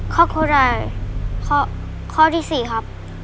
ค็อกโคดายข้อที่สี่ครับ